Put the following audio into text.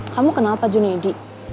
kamu kenal pak juna ya di